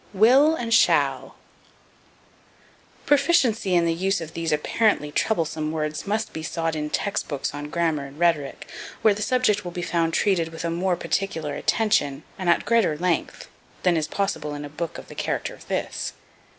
Will and Shall. Proficiency in the use of these apparently troublesome words must be sought in text books on grammar and rhetoric, where the subject will be found treated with a more particular attention, and at greater length, than is possible in a book of the character of this.